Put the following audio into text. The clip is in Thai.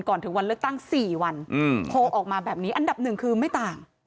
ถึงวันเลือกตั้ง๔วันโพลออกมาแบบนี้อันดับหนึ่งคือไม่ต่าง